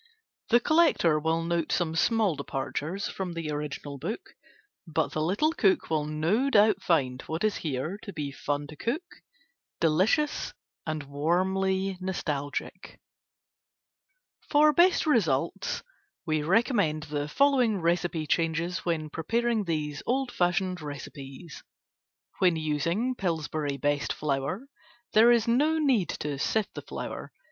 The collector will note some small departures from the original book, but the little cook will no doubt find what is here to be fun to cook, delicious, and warmly nostalgic. For best results, we recommend the following recipe changes when preparing these old fashioned recipes. When using Pillsbury BEST® Flour, there is no need to sift the flour.